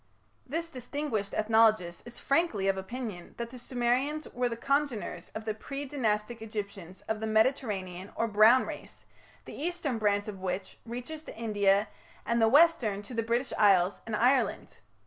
" This distinguished ethnologist is frankly of opinion that the Sumerians were the congeners of the pre Dynastic Egyptians of the Mediterranean or Brown race, the eastern branch of which reaches to India and the western to the British Isles and Ireland.